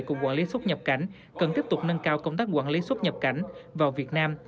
cục quản lý xuất nhập cảnh cần tiếp tục nâng cao công tác quản lý xuất nhập cảnh vào việt nam